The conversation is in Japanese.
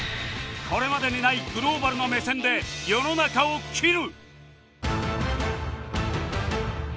これまでにないグローバルな目線で世の中を斬る！